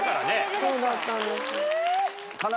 そうだったんです。